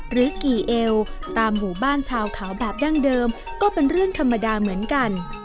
หรือกี่เอวตามหมู่บ้านชาวเขาแบบดั้งเดิมก็เป็นเรื่องธรรมดาเหมือนกัน